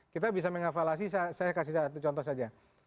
kita bisa mengavaluasi saya kasih satu contoh saja